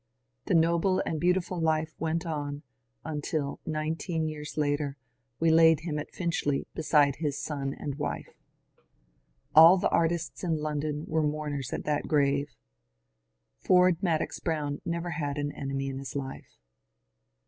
The noble and beauti ful life went on until, nineteen years later, we laid him at Finchley beside his son and wife. All the artists in London were mourners at that grave. Ford Madox Brown never had an enemy in his life.